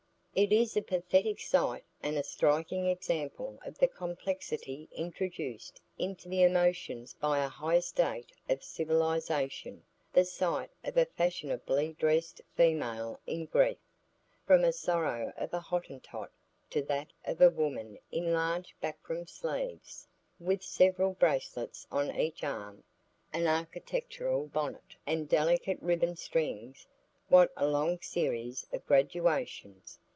It is a pathetic sight and a striking example of the complexity introduced into the emotions by a high state of civilisation, the sight of a fashionably dressed female in grief. From the sorrow of a Hottentot to that of a woman in large buckram sleeves, with several bracelets on each arm, an architectural bonnet, and delicate ribbon strings, what a long series of gradations!